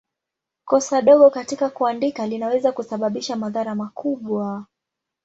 Kosa dogo katika kuandika linaweza kusababisha madhara makubwa.